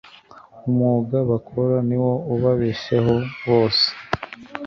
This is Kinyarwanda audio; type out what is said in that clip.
umwuga bokora niwo ubabesheho bose